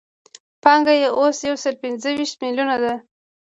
پانګه یې اوس یو سل پنځه ویشت میلیونه ده